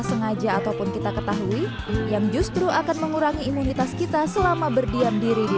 sengaja ataupun kita ketahui yang justru akan mengurangi imunitas kita selama berdiam diri di